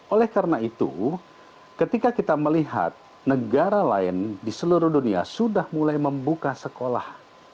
oleh karena itu ketika kita melihat negara lain di seluruh dunia sudah mulai membuka sekolah